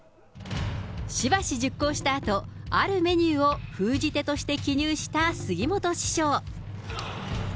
しば熟考したあと、あるメニューを封じ手として記入した杉本師匠。